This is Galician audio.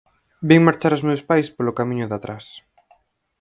Vin marchar os meus pais polo camiño de atrás.